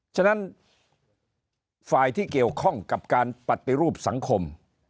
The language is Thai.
ฉะนั้นฝ่ายที่เกี่ยวข้องกับการปฏิรูปสังคม